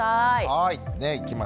はい。